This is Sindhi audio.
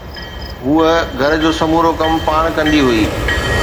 هوءَ گهر جو سمورو ڪم پاڻ ڪندي هئي